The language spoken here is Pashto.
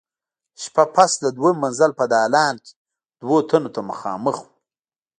شېبه پس د دويم منزل په دالان کې دوو تنو ته مخامخ وو.